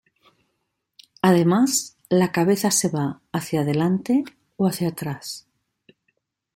Además, la cabeza se va hacia delante o hacia atrás.